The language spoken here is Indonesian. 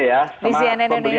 ya sama sama putri ya